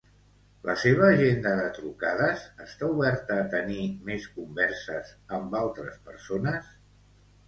La seva agenda de trucades està oberta a tenir més converses amb altres persones?